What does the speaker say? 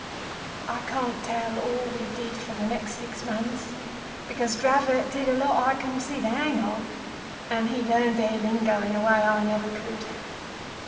"I can't tell all we did for the next six months because Dravot did a lot I couldn't see the hang of, and he learned their lingo in a way I never could.